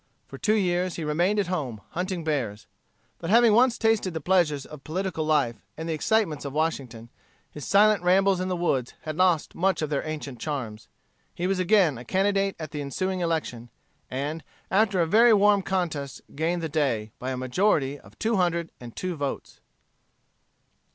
For two years he remained at home hunting bears. But having once tasted the pleasures of political life, and the excitements of Washington, his silent rambles in the woods had lost much of their ancient charms. He was again a candidate at the ensuing election, and, after a very warm contest gained the day by a majority of two hundred and two votes.